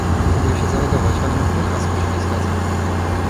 Próbuję się zalogować, ale mówi, że hasło się nie zgadza.